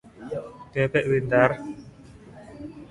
Saya bertemu dengan guru saya dalam perjalanan ke stasiun.